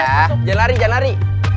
jangan lari jangan lari